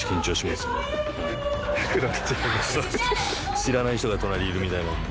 知らない人が隣にいるみたいなんで。